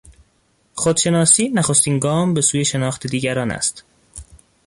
خودشناسی نخستین گام به سوی شناخت دیگران است.